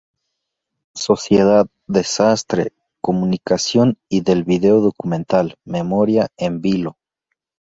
Sociedad, desastre, comunicación" y del video documental "Memoria en vilo".